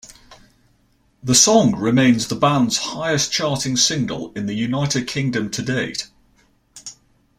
The song remains the band's highest charting single in the United Kingdom to date.